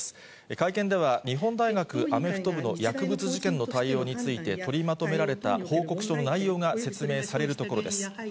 会見では日本大学アメフト部の薬物事件の対応について取りまとめられた報告書の内容が説明されるところです。